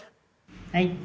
はい。